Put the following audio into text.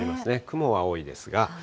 雲は多いですが。